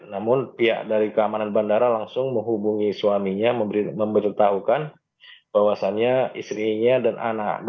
namun pihak dari keamanan bandara langsung menghubungi suaminya memberitahukan bahwasannya istrinya dan anak